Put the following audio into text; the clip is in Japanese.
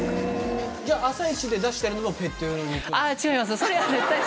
『あさイチ』で出してるのもペット用の肉なの？